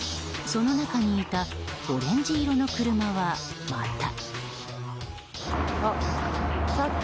その中にいたオレンジ色の車はまた。